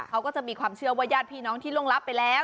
เขาก็จะมีความเชื่อว่าญาติพี่น้องที่ล่วงรับไปแล้ว